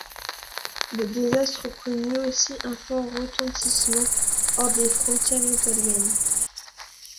Le désastre connut aussi un fort retentissement hors des frontières italiennes.